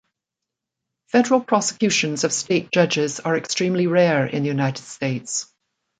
Federal prosecutions of state judges are extremely rare in the United States.